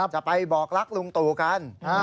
จะไปบอกรักลุงตู่กัน